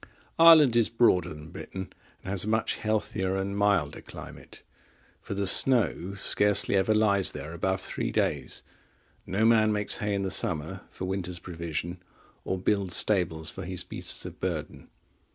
(31) Ireland is broader than Britain and has a much healthier and milder climate; for the snow scarcely ever lies there above three days: no man makes hay in the summer for winter's provision, or builds stables for his beasts of burden.